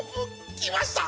きました！